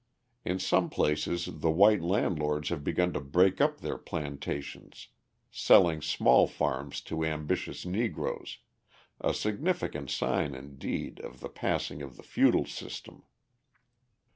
In some places the white landlords have begun to break up their plantations, selling small farms to ambitious Negroes a significant sign, indeed, of the passing of the feudal system.